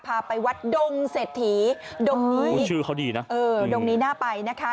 พาไปวัดดงเศรษฐีดงนี้ชื่อเขาดีนะเออดงนี้น่าไปนะคะ